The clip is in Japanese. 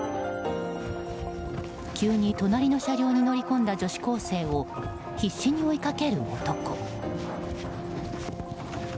急に隣の車両に乗り込んだ女子高生を必死に追いかける男。